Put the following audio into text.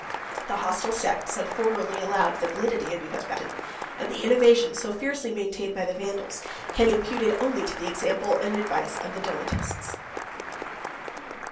106 The hostile sects had formerly allowed the validity of each other's baptism; and the innovation, so fiercely maintained by the Vandals, can be imputed only to the example and advice of the Donatists.